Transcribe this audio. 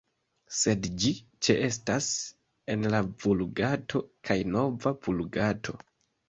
Sed ĝi ĉeestas en la Vulgato kaj Nova Vulgato.